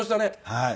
はい。